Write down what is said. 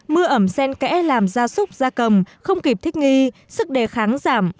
mưa ẩm sen kẽ làm gia súc gia cầm không kịp thích nghi sức đề kháng giảm